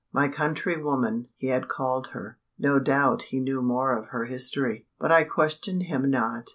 My "countrywoman," he had called her. No doubt he knew more of her history; but I questioned him not.